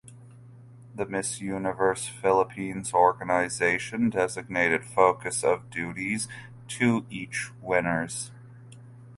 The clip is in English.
The Miss Universe Philippines Organization designated focus of duties to each winners.